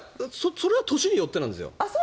それは年によってなんですよ。